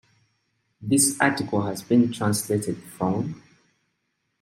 "This article has been translated from "